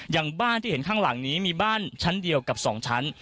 อย่างบ้านที่เห็นข้างหลังนี้มีบ้านชั้นเดียวกับ๒ชั้น